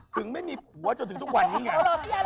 ถึงไม่มีผัวจนถึงทุกวันนี้ไง